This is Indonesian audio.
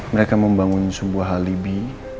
mereka membangun sebuah halibi